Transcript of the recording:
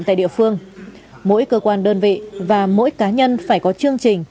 tại địa phương mỗi cơ quan đơn vị và mỗi cá nhân phải có chương trình